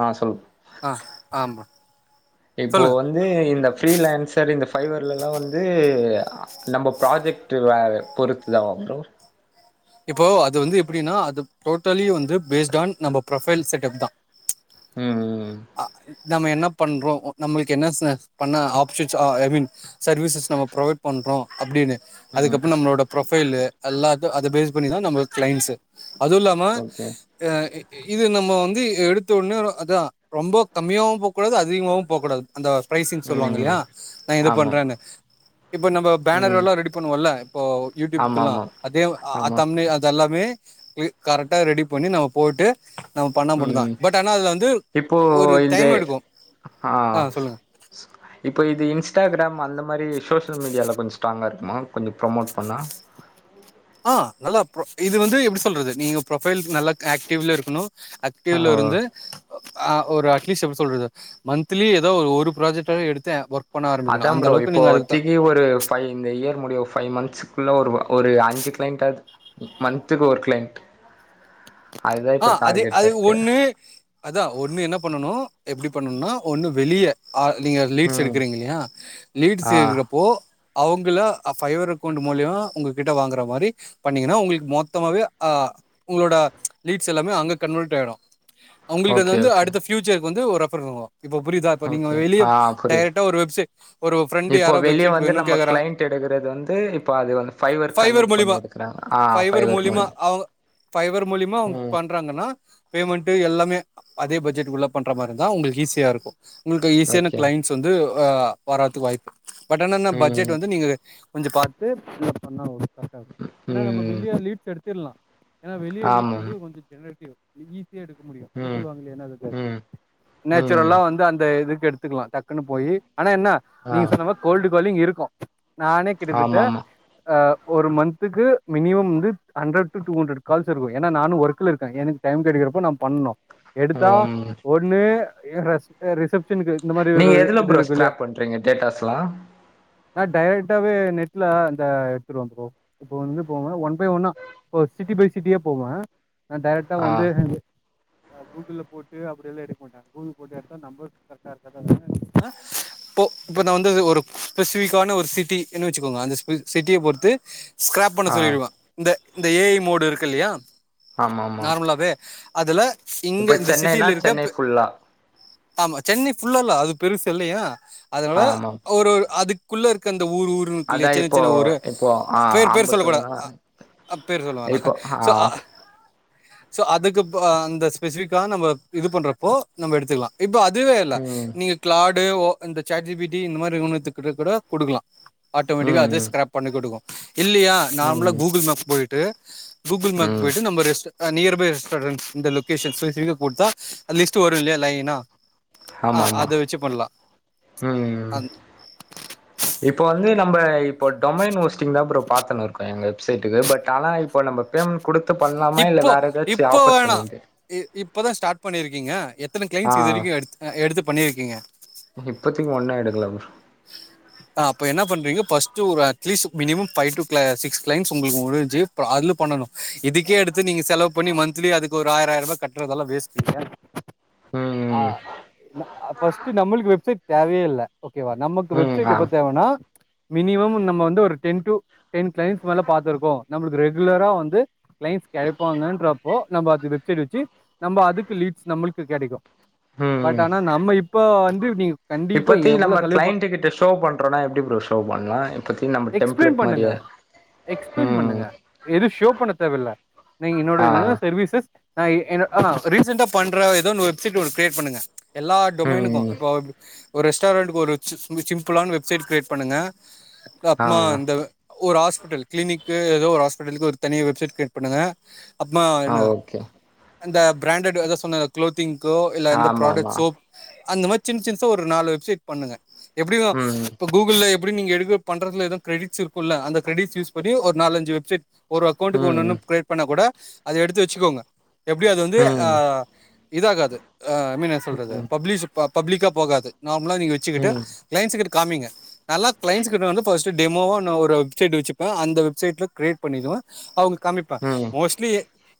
ஆ சொல் ஆ ஆமா இப்போ வநது இந்த பீரிலான்சர் இந்த ஃபைபர்லாம் வந்து நம்ம ப்ராஜெக்ட் பொறுத்து தாம் ப்ரோ இப்போ அது வந்து எப்படின்னா அது டோட்டலி வந்து பேஸ்ட் ஆன் நம்ம ப்ரொஃபைல் செட்டப் தான் ம் ம் நம்ம என்ன பண்றோம் நம்மளுக்கு என்ன பண்ண ஆப்ஷன்ஸ் ஐ மீன் சர்வீசஸ் நம்ம ப்ரொவைட் பண்றோம் அப்படின்னு ம் ம் அதுக்கப்புறம் நம்மளோட ப்ரொஃபைல் எல்லாம் அத பேஸ் பண்ணிதான் நம்ம கிளைண்ட்ஸு அதும்ல்லாம ஓகே அ இது நம்ம வந்து எடுத்த உடனே அதா ரொம்ப கம்மியாவும் போகூடாது அதிகமாவவும் போகூடாது அந்த ப்ரைசிங் ம் சொல்லுவாங்க ம் இல்லையா நா இது ஆமா பண்றேன்னு இப்ப நம்ப பேனர் ம் எல்லாம் ரெடி பண்ணுவோம்ல்ல ஆமா யூடியூப்கெலாம் ஆமா அதே அ ஆமா தம்நெய்ல் அதெல்லாமே கரெக்டா ரெடி பண்ணி நம்ம போட்டு நம்ம பண்ணா மட்டும் தான் ம் பட் ஆனா அதுல வந்து இப்போ ஒரு இந்த டைம் எடுக்கும் ஆ இப்போ இது இன்ஸ்டாகிராம் அந்த மாறி சோஷியல் மீடியால கொஞ்சம் ஸ்ட்ராங்காக இருக்குமா கொஞ்சம் ப்ரோமோட் பண்ணா ஆ நல்லா இது வந்து எப்டி சொல்றது நீங்க ப்ரொபைல்க்கு நல்லா ஆக்டிவ்ல இருக்கணும் கீல ஆ இருந்து ஆ ஒரு அட்லீஸ்ட் எப்டி சொல்றது சார் மந்த்லி ஏதாவது ஒரு ப்ராஜெக்டாவது எடுத்து ஒர்க் பண்ண ஆரம்பிக்கணு அதான் அந்த ப்ரோ அளவுக்கு நீங்க அதுக்கு இப்போத்திக்கு ஒரு ஃபை இந்த இயர் முடிய ஃபைவ் மந்த்ஸ்குள்ள ஒரு அஞ்சு க்ளைண்டாவது மந்த்துக்கு ஒரு க்ளைண்ட் ஆ அது அது இருக்கு ஒன்னு அதான் ஒன்னு என்ன பண்ணனும் எப்டி பண்ணும்னா ஒன்னு வெளிய ஆ நீங்க லீட்ஸ் ம் எடுக்கறீங்க இல்லையா லீட்ஸ் ஆ எடுக்கறப்போ அவங்கள ஃபைவர் அக்கௌண்ட் மூலியமா உங்ககிட்ட வாங்குற மாறி பண்ணீங்கன்னா உங்களுக்கு மொத்தமாவே அ உங்களோட லீட்ஸ் எல்லாமே அங்கே கன்வெர்ட் ஆகிடும் அவங்களுக்கு வந்து ஓகே வந்து ஓகே அடுத்த ஃபியூச்சருக்கு வந்து ஒரு ரெஃபர் பண்ணுவ இப்ப புரியுதா இப்ப நீங்க ஓகே வெளிய ஆ புரியுது டைரக்டா ஒரு வெப்சைட் ஒரு ஃப்ரெண்டு யாரோ வெப்சைட் வேணும்னு கேக்குறாங்க எடுக்குறது வந்து இப்ப அது வந்து ஃபைவர் கன்வெர்ட் பண்ணி எடுக்கறாங்க ஆ‌ ஃபைபர் மூலியம் ஃபைபர் மூலியமா அவங்க பண் ம் பண்றாங்கன்னா பேமெண்ட்டு எல்லாமே அதே பட்ஜெட்க்குள்ள பண்ற மாறி இருந்தா உங்களுக்கு ஈஸியா இருக்கும் உங்களுக்கு ஈஸியான ஓகே கிளைண்ட்ஸ் வந்து் வராதுக்கு வாய்ப்பு பட் ஆனா‌ என்ன பட்ஜெட் ம் வந்து நீங்க கொஞ்சம் பாத்த பண்ண ஏன்னா நம்ம ம் வெளியா லீ்ஸ் எடுத்தலாம் ஏனா வெளிய லீட் ஆமாம் வந்து கொஞ்சம் ஜெனரேடிவ் எடுக்க முடியும் அத ம் சொல்லுவாங்கள என்னனா அதுக்கு ம் ம் நேச்சுரல்லா வந்து அந்த இதுக்கு எடுத்துக்கலாம் டக்குன்னு போயி ஆனா என்ன ஆ நீங்க சொன்ன மாறி கோல்டு கோலிங் இருக்கும் நானே கிட்டத்தட்ட ஆமாமா ஒரு மந்த்துக்கு மினிமம் வந்து ஹண்ட்ரட் டு டூஹண்ரட் கால்ஸ் இருக்கு ஏன்னா நானும் ஒர்க்ல இருக்கேன் எனக்கு டைம் கிடைக்கிறப்போ நான் பண்ணோம் எடுத்தா ம் ஒரு ஒன்னு ரிசபஷனுக்கு இந்த மாறி ஒரு நீங்க எதுல இது ப்ரோ இருக்கு இல்லயா ஸ்கிராப் பண்றீங்க டேட்டாஸ்லா நான் டைரெக்டாவே நெட்ல அந்த எடுத்துருவோம் ஃப்ரோ இப்ப வந்து போங்க ஒன் பை ஒன்னா இப்ப சிட்டி பை சிட்டியா போவே நா டேரெக்ட்டா ஆ வந்து ஆ கூகுள்ல போட்டு அப்டியெல்லா எடுக்க மாட்டே கூகுள் போட்டு எடுத்தா நம்பர் கரெக்டாருக்காதா அதனால என்ன பண்ணுவே போ இப்ப நா வந்து ஒரு ஸ்பெசிஃபிக்கான ஒரு சிட்டி னு வச்சுக்கோங்க அந்த சிட்டிய பொறுத்து ஸ்க்ராப் பண்ண ஆ சொல்லிடுவே இந்த இந்த ஏ ஐ மோடு இருக்கு இல்லயா ஆமா ஆமா நார்மலாவே அதுல இங்க இப்ப இந்த சென்னைனா சிட்டிலருக்க சென்னை ஃபுல்லா ஆமா சென்னை ஃபுல்லால அது பெருசில்லயா அதனால ஆ ஆமா ஒரு அதுக் குள்ளருக்க அந்த ஊர் ஊர்னு அதா இருக்கில்லயா சின்ன இப்போ சின்ன ஊரு இப்போ ஆ பேர் பேர் சொல்ல கூடா ஆம்பத்தூர்னா அ பேர் சொல்லவேணா இப்போ ஆ ஸோ ஓகே ஸோ அதுக்கு பொ அந்த ஸ்பெசிஃபிக்கா நம்ம இது பண்றப்போ நம்ம எடுத்துக்லா இப்ப அதுவே இல்ல ம் நீங்க கிளாடு ஓ இந்த சாட் ஜி பி டி இந்த மாரி நிறுவனத்துக்கிட்டகூட குடுக்லா ஆட்டோமெட்டிக்கா அதே ம் ம் ஸ்க்ராப் பண்ணி குடுக்கு இல்லயா நார்மலா ம் கூகுள் மேப் போய்ட்டு கூகுள் மேப் ம் போய்ட்டு நம்ப ரெஸ்ட் ஆ நியர் பை ரெஸ்டாரண்ட்ஸ் இந்த லொகேஷன் ஸ்பெசிஃபிகா குட்த்தா லிஸ்ட் வரு இல்லயா லைனா ஆ ஆமாமா அத வச்சு பண்லா ம்‌ ம் அந் இப்ப வந்து நம்ப இப்போ டொமைன் வொஸ்ட்டிங்தா ப்ரோ பாத்துணுருக்கோ எங்க வெப்சைட்டுக்கு பட் ஆனா இப்ப நம்ப பேமெண்ட் குடுத்து பண்லாமா இல்ல இப்போ வேற எதாச்சு இப்போ வேணா ஆப்பர்ச்சுனிட்டி இ இப்பதா ஸ்டார்ட் பண்ணிருக்கீங்க எத்தன ஆ க்ளைண்ட்ஸ் இது வரைக்கு எடு எடுத்து பண்ணிருக்கீங்க இப்பதிக்கி ஒன்னு எடுக்கல ப்ரோ ஆ அப்போ என்னா பண்றீங்க ஃபஸ்டு ஒரு அட்லீஸ் மினிமம் ஃபைவ் டூ க்ள சிக்ஸ் க்ளைண்ட்ஸ் உங்களுக்கு முடிஞ்சு ப்றோ அதுல பண்ணணு இதுக்கே எடுத்து நீங்க செலவு பண்ணி மன்த்லி அதுக்கு ஒரு ஆயராய்ரூபா கட்றதெல்லா வேஸ்ட்டு ஆ ம் ஃபஸ்ட்டு நம்மளுக்கு வெப்சைட் தேவயே இல்ல ஓ கேவா நமக்கு ம் வெப்சைட் ஆ எப்ப தேவனா மினிமம் நம்ம வந்து ஒரு டென் டூ டென் க்ளைண்ட்ஸ் மேல பாத்துருக்கோ நம்மளுக்கு ரெகுலரா வந்து க்ளைண்ட்ஸ் கெடைப்பாங்கன்றப்போ நம்ப அது வெப்சைட் வச்சு நம்ப அதுக்கு லீட்ஸ் நம்ளுக்கு கெடைக்கு ம் பட் ஆனா நம்ம இப்ப வந்து நீ கண்டிப்பா எவ்ள க்ளைண்ட்டு கிட்ட ஷோ பண்றோனா எப்டி ப்ரோ ஷோ பண்லா இப்பத்தி நம்ப எக்ஸ்பிளைன் டெம்ப்ளேட் மாரி பண்ணுங்க எக்ஸ்பிளைன் பண்ணுங்க எது ஷோ பண்ண தேவல்ல நீங்க என்னோட ஆ என்னென்ன சர்வீசஸ் ஆ எ ஆ ரீசெண்ட்டா பண்ற எதோ ஒன்னு வெப்சைட் ஒரு கிரியேட் பண்ணுங்க எல்லா டொமைனுக்கு ம் இப்போ ஒரு ரெஸ்டாரண்ட்டுக்கு ஒரு சிம்பிளான வெப்சைட் கிரியேட் பண்ணுங்க ஆ அப்பமா இந்த ஒரு ஆஸ்பிட்டல் க்ளினிக்கு எதோ ஒரு ஆஸ்பெட்டலுக்கு ஒரு தனியா வெப்சைட் கிரி பண்ணுங்க அப்பமா ஆ என்ன ஓகே அந்த பிராண்டட் அதா சொன்னே க்ளோத்திங்கோ இல்ல அந்த ஆமா ப்ராடக்ட் ஆமா சோப் அந்த மாரி சின் சின்சா ஒரு நாலு வெப்சைட் பண்ணுங்க எப்டிதா ம் இப்ப கூகுள்ல எப்டி நீங்க எடுக்க பண்றதுல எது கிரெட்டிஸ்ஸிருக்குல்ல அந்த கிரெட்டிஸ் யூஸ் பண்ணி ஒரு நாலஞ்சு வெப்சைட் ஒரு அக்கவுண்டுக்கு ம் ஒன்னொன்னு கிரேட் பண்ணா கூட அத எடுத்து வச்சுக்கோங்க எப்டி அது வந்து ஆ ம் இதாகாது ஐ மீன் என்னாசொல்றது ம் பப்ளிஸ் பப்ளிக்கா போகாது நார்மலா நீங்க ச்சுகிட்டு ம் க்ளைண்ட்ஸு கிட்ட காமிங்க நல்லா க்ளைண்ட்ஸு கிட்ட வந்து ஃபஸ்ட்டு டெமோவோ ஒன்னு ஒரு வெப்சைட் வச்சிப்பே அந்த வெப்சைட்ல க்ரியே பண்ணிக்குவே அவுங்க காமிப்பே ம் மோஸ்ட்லி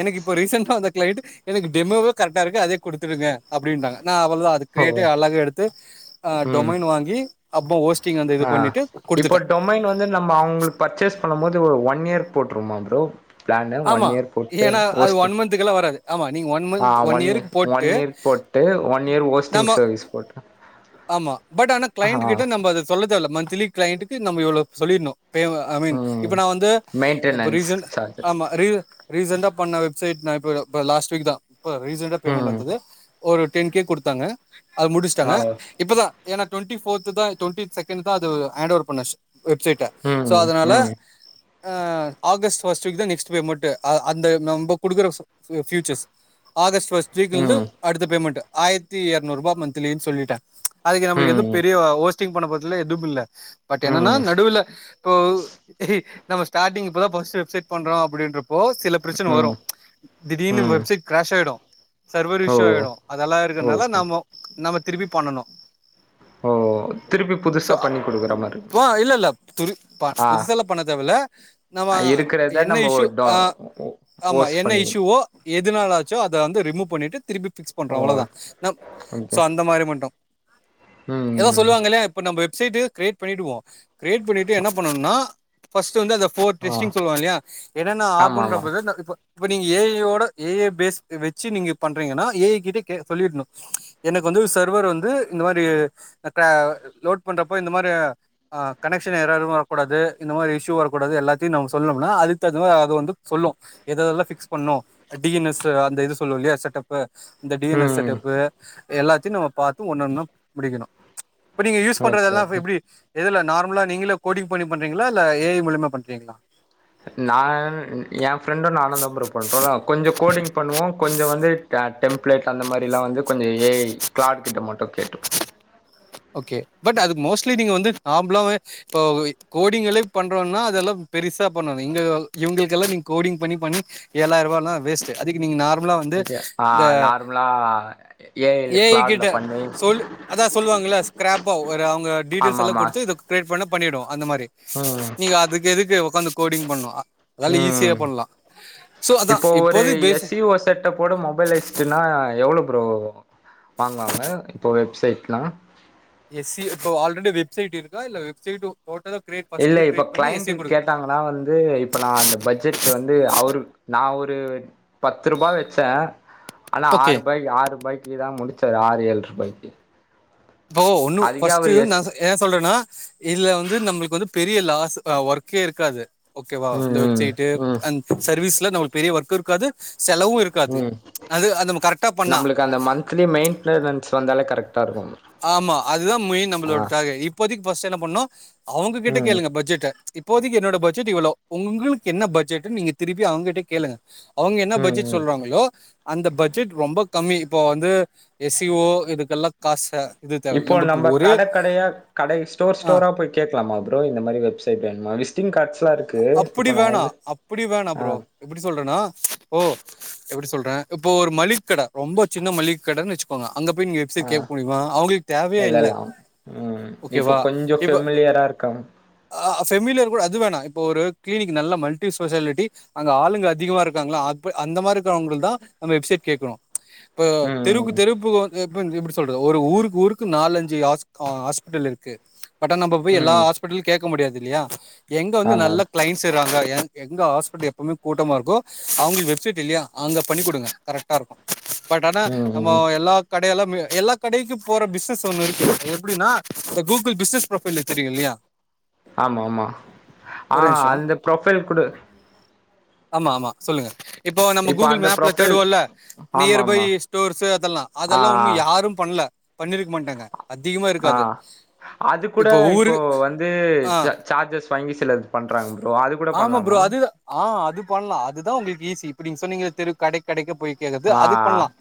எனக்கு இப்போ ரீசெண்ட்டா வந்த க்ளைண்ட்டு எனக்கு டெமோவே கரெக்டாருக்கு அதே குடுத்துடுங்க அப்டின்டாங்க நா அவ்ளதா அது ஓ கிரியட்டே அழகா எடுத்து ஆ ம் டொமைன் வாங்கி அப்பமா ஓஸ்டிங் அந்த இது ஆ பண்ணிட்டு இப்போ குடுத்துட்டே [unintelligible] நம்ம அவுங்களுக்கு பர்ச்சேஸ் பண்ணம்போது ஒரு ஒன் இயர் போட்ருவமா ப்ரோ பிளானு ஒன் இயர் போட்டு ஓஸ்ட் இதுகெல்லா வராது ஆமா நீங்க ஒன் மந்த் ஒன் இயருக்கு போட்டு ஒன் நம்ம ஐஸ் போட்டா ஆமா பட் ஆனா கிளைண்ட் கிட்ட நம்ம அத சொல்ல தேவல்ல மந்த்லி கிளைண்ட்க்கு நம்ம இவ்ளோ சொல்லின்னூ போவூ ஐ மீன் இப்ப ம் நான் வந்து இப்ப மெயின்டெனன்ஸ் ரீசன்ட் சார்ஜஸ் ஆமா ரீசெண்டா பண்ண வெப்சைட் நா இப்ப இப்ப லாஸ்ட் வீக் தா இப்ப ரீசெண்டா பேமெண்ட் ம் வந்தது ஒரு டென் கே கொடுத்தாங்க அது முடிச்சுட்டாங்க ஆ இப்பதா ஏனா டோண்டிபோர்த்து தா டோண்டி செகண்ட் தா அது ஹாண்ட்டோவர் பண்ணே வெப்சைட்ட சோ ம் அதனால ம் ஆ ஆகஸ்ட் ஃபஸ்டு வீக் தா நெஸ்ட் பேமென்டூ அ அந்த நம்ப குடுக்குற ஃபியூ ஃபியூச்சர்ஸ் ஆகஸ்ட் ஃபஸ்ட் வீக்ல இருந்து ம் அடுத்த பேமெண்ட் ஆயிரத்தி எர்நூற் ரூபா மந்த்லின் சொல்லிட்டே அதுக்கு ம் நம்மளுக்கு எந்தப் பெரிய ஹோஸ்டிங் பண்ண போறதில்ல எதும் இல்ல பட் என்னன்னா ம் நடுவுல இப்போ நம்ம ஸ்டார்டிங் இப்பதா ஃபஸ்ட் வெப்சைட பண்றோ அப்படின்றப்போ சில பிரச்சன வரோ ம் திடீர்ன்னு ம் வெப்சைட் கிராஷ் ஆயிடும் சர்வர் ஓ இஷ்யூ ஆயிடும் அதெல்லா இருக்கறதுனால ஓகே நம்ம நம்ம திருப்பி பண்ணணூ ஓ திருப்பி சோ புதுசா பண்ணி குடுக்குற மாரி இருக்குமா இப்பெ இல்ல இல்ல துரித் பா ஆ புதுசால்லா பண்ணத் தேவல நம்மா இருக்கிறத என்ன நம்ம இஷூவ் டோ ஆ ஓ ஆமா ஓஸ் என்ன பண்ணிக்கணு இஷூவ்வோ எதுனால ஆச்சோ அத வந்து ரிமூவ் பண்ணிட்டு திருப்பி பிக்ஸ் பண்றோ அவ்ளோ ஓ தா நம் ஓகே சோ அந்த மாரி மட் ம் ஏதோ ம் சொல்லுவாங்கில்யே இப்ப நம்ம வெப்சைட கிரியேட் பண்ணிடடுவோ கிரியேட் பண்ணிட்டு என்ன பண்ணணும்னா ஃபஸ்ட் வந்து அந்தப் போர் ஆ டெஸ்டிங் சொல்லுவாங் இல்லயா என்னன்னா ஆமா ஆகுன்ற ஆமா போ தா இதெ இப்ப இப்ப நீங்க ஏ ஐயோட ஏ ஐபேஸ் வச்சு நீங்க பண்றீங்கன்னா ஏ ஐ கிட்ட கே சொல்லிட்னூ எனக்கு வந்து சர்வர் வந்து இந்த மாதிரி கங்கா லோட் பண்றப்ப இந்த மாதிரி ஆ கனெஷன் எர்ரர் வரக்கூடாது இந்த மாதிரி இ்ஸ்யூ வரக்கூடாது எல்லாத்தையூ நம்ம சொல்லணும்னா அதுக்கு தகுந்த மாதிரி அது வந்து சொல்லூ எத எதல்லா பிக்ஸ் பண்ணோ டி என் எஸ் அந்த இது சொல்லுவோ இல்லையா செட்டப் இப்ப டி என் எஸ் ம் செட்டப்பு எல்லாத்தையூ நம்ம பார்த்து ஒன்னு ஒன்னா முடிக்கணூ இப்ப நீங்க யூஸ் ஓகே பண்றதெல்லா ஓகே எப்டி எதுல நார்மலா நீங்களோ கோடிங் பண்ணி பண்றீங்களா இல்ல ஏ ஐ மூலியமா பண்றீங்களா நா என் ஃப்ரெண்டும் நானூ தா ப்ரோ பண்றோ கொஞ்சோ கோடிங் பண்ணுவோ கொஞ்சோ வந்து கிளாட் டெம்ப்ளேட் அந்த மாதிரில்லா வந்து கொஞ்சோ ஏ ஐ கிளாட் கிட்ட மட்டோ கேட்டுப்போ ஓகே பட் அதுக்கு மோஸ்ட்லி நீங்க வந்து நாம்ப்ளாவே இப்போ கோடிங்களே பண்றோன்னா அதெல்லா பெருசா பண்ணாதீங்க இங்க இவூங்களூக்கெல்லா நீங்க கோடிங் பண்ணி பண்ணி எழாயிரோ ரூபானா வேஸ்ட் அதுக்கு நீங்க நார்மலா வந்து ஓகே இந்த நார்மலாக ஏஐல ஏ ஐய் கிட்ட கிளாடில் பண்ணி சொல் அதா சொல்வாங்கில்ல ஸ்க்ராப்பா ஒரு அவங்க டீட்டெய்ல்ஸ் எல்லா ஆமாம் கொடுத்து இத கிரேயேட் பண்னா பண்ணிடூ அந்த மாரி அ ஹாங் நீங்க அதுக்கு எதுக்கு உக்காந்து கோடிங் பண்ணோ அதால ஈஸியா ம் பண்லா சோ அதா இப்போது பேஸ் இதெ போட மொபைலைஸ்ட்ணா எவ்ளோ ப்ரோ வாங்குவாங்க இப்போ வெப்சைட்லா எஸ் ஸி இப்போ ஆல்ரெடி வெப்சைட் இருக்கா இல்ல வெப்சைட்டூ டோட்டலா கிரேட் ஃபஸ்ட்லேர்ந்து கிரேயேட் பண்ணி எஸ் ஏ கொடுக் டாங்ணா வந்து இப்ப நா அந்த பட்ஜெட் வந்து அவரு நா ஒரு பத்து ரூபா வச்சே ஆனா ஓகே ஆறு ரூபாய்க்கு ஆறு ரூபாய்க்கு கீய் தா முடிச்சாரு ஆறு ஏல் ரூபாய்க்கி ப்ரோ ஒன்னு ஃப்ஸ்ட்டு நா எஸ் சொ ஏ சொல்றேனா இதுல வந்து நம்ளுக்கு வந்து பெரிய லாஸ் ஒர்க்கே இருக்காது ஓகேவா ம் இந்த ம் வேஃப்சைட்டு ம் அந் சர்வீஸ்ல நம்ளுக்கு பெரிய ஒர்க் இருக்காது செலவு இருக்காது அது அத நம்ம கரெக்டா பண்ணா எனக்கு அந்த மன்த்லி மெயின்டெனன்ஸ் வந்தாலே கரெக்டா இருக்கு ஆமா அதுதா மெயின் நம்மளோட டார்கே இப்போத்க்கு ஃபர்ஸ்ட் என்ன பண்ணோ அவுங்க கிட்ட ம் கேளுங்க பட்ஜெட் இப்போதிக்கு என்னடோ பட்ஜெட் இவ்ளோ உங்களுக்கு என்ன பட்ஜெட்னு நீங்க திருப்பி அவுங்க கிட்ட கேளுங்க அவுங்க என்ன ம் பட்ஜெட் ம் சொல்றாங்களோ அந்த பட்ஜெட் ரொம்ப கம்மி இப்போ வந்து எஸ் இ ஓ இதுக்கெல்லா காசு இது தேவல்ல. இப்போ நமக்கு நம்ம ஒரே கட கடயா கடை ஸ்டோர் ஆ ஸ்டோரா போய் கேக்லாமா ப்ரோ இந்த மாரி வெப்சைட் வேணுமா டிங் காட்ஸ்லா இருக்கு இப்போ நா வந்து ஆ எப்டி சொல்றனா ஓ எப்டி சொல்ற இப்போ ஒரு மள்ளிக்கட ரொம்ப சின்ன மள்ளிக்கடன்னு வச்சுக்கோங்க அங்க போய் நீங்க செ ஆ கேக்க முடியுமா அவுங்ளுக்கு தேவயே இல்ல எழலாம் ம் இப்போ ஓகேவா கொஞ்சோ இப்ப ஃபெமிலியரா இருக்கா அ ஃபேமிலியர் கூட அது வேணா இப்போ ஒரு கிளினிக் நல்ல மல்டி ஸ்பெஷாலிட்டி அங்க ஆளுங்க அதிகமா இருக்காங்ளா அப் அந்த மாரி இருக்கிறவங்ளுக்குதா நம்ம வெப்சைட் கேக்ணு இப்போ தெருக்கு ம் தெருப்பு வந் [unintelligible] எப்டி சொல்றது ஒரு ஊருக்கு ஊருக்கு நாலஞ்சு ஹாஸ் ஹாஸ்பிட்டில் இருக்கு பட் ஆனா நம்ப போய் எல்லா ம் ஹாஸ்பிட்டில்லியு கேட்க முடியாது இல்லயா எங்க வந்து ஆமா நல்லா கிளைண்ட்ஸ் இருக்றாங்க எ எங்க ஹாஸ்பிட்ல் எப்பவுமே கூட்டமா இருக்கோ அவுங்க வெப்சைட் இல்லியா அங்க பண்ணி கொடுங்க கரெக்டா இருக்கு பட் ஆனா ம் நம்ம ம் எல்லா கடையெல்லா எல்லா கடைக்கு போற பிஸ்னஸ் ஒண்ணு இருக்கு எப்டினா இந்த கூகுள் பிஸ்னஸ் ஃப்ரொபைல் தெரியு இல்யா ஆமா ஆமா ஆ ஒரு நிமிஷம். அந்த ப்ரொஃபைல் கூட ஆமா ஆமா சொல்லுங்க இப்போ நம்ம கூகுள் அந்த மேப்ல ப்ரொஃபைல் தேடுவோல்ல ஆமா நியர்பை ஆமா ஸ்டோர்ஸு அதெல்லா ஆ அதெல்லா ஒன்னு யாரும் பண்ல பண்ணிருக்க மாட்டாங்க அதிகமா ஆ இருக்காது அது கூட இப்போ வந்து ஆ ச சார்ஜஸ் வாங்கி செல்லாது ஆமா ப்ரோ அது ஆ அது பண்லா அதுதா உங்களுக்கு ஈஸி இப்ப நீங்க சொன்னீங்க தெரு கடை கடைக்கு போயி ஆ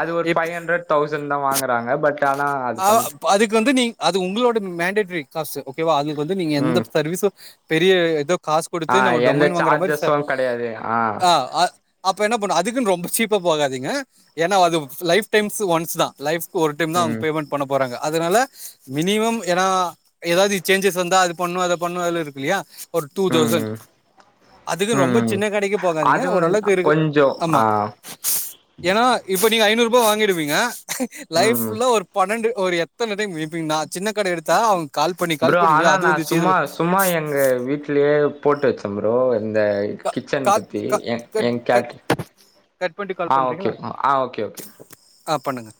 அது ஒரு ஃபைவ் ஹண்ட்ரட் தௌசண்ட் தா வாங்றாங்க பட் ஆனா அது அ பண் அதுக்கு வந்து நீங் அது உங்ளோட மேண்டட்ரி காசு ஓகேவா அதுக்கு வந்து நீங்க எந்த ம் சர்வீஸூ பெரிய ஏதோ காஸ் ஆ கொடுத்து நம்ம எந்த டொமைன் வாங்குற மாரி சர் சார்ஜஸு கெடையாது ஆ அப்ப என்ன பண்ண அதுக்குன்னு ரொம்ப சீப்பா போகாதீங்க ஏன்னா அது லைப்ஸ் டைம்ஸ் ஒன்ஸ் தா லைஃப்கு ஒரு டைம்தா அவுங் ம் பேமண்ட் பண்ண போறாங்க அதனால மினிமம் ஏனா ஏதாவது சேஞ்சஸ் வந்தா அது பண்ணு அத பண்ணு அதுல இருக் இல்லியா ஒரு டூ ம் தௌசண்ட் ம் அதுக்கு ரொம்ப ம் சின்ன கடைக்கு போகாதீங்க அது வந் ஓரளவுக்கு இருக்கு கொஞ்சோ ஆ ஆமா ஏனா இப்ப நீங்க ஐநூறு ரூபா வாங்கிடுவீங்க லைஃப் ம் ஃபுல்லா ஒரு பன்னெண்டு ஒரு எத்தன டைம் இப்பீங்னா சின்ன கட எடுத்தா கால் பண்ணி ப்ரோ கால் பண்ணி ஆனா அது நா வந்துச்சு இது சும்மா வந்து- சும்மா எங்க வீட்லியே போட்டு வச்சே ப்ரோ இந்த கா- கிச்சன் கால் பத்தி க ஏ ஏ கட் கட் கேட் கட் பண்ணிட்டு கால் ஆ ஓகே பண்றீங்களா? ஆ ஓகே ஓகே ஆ பண்ணுங்க